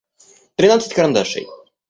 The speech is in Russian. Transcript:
тринадцать карандашей